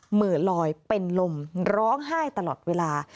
เหมือนลอยเป็นลมร้องไห้ตลอดเวลา